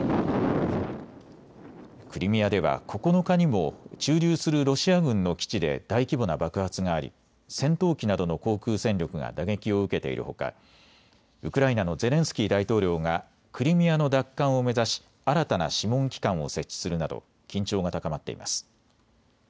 クリミアでは９日にも駐留するロシア軍の基地で大規模な爆発があり、戦闘機などの航空戦力が打撃を受けているほかウクライナのゼレンスキー大統領がクリミアの奪還を目指し新たな諮問機関を設置するなど緊張が高まっています。